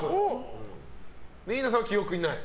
リイナさんは記憶にない？